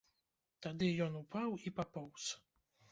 Тады ён упаў і папоўз.